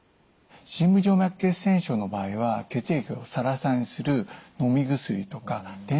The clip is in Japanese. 深部静脈血栓症の場合は血液をサラサラにするのみ薬とか点滴の薬を投与します。